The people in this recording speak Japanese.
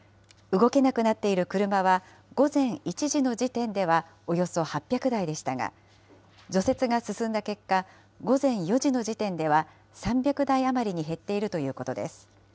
動けなくなっている車は、午前１時の時点ではおよそ８００台でしたが、除雪が進んだ結果、午前４時の時点では３００台余りに減っているということです。